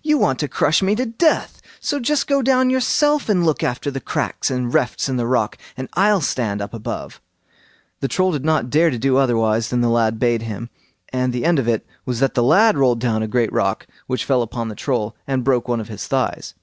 You want to crush me to death; so just go down yourself and look after the cracks and refts in the rock, and I'll stand up above." The Troll did not dare to do otherwise than the lad bade him, and the end of it was that the lad rolled down a great rock, which fell upon the Troll, and broke one of his thighs.